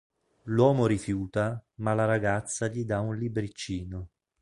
L'uomo rifiuta, ma la ragazza gli dà un libriccino.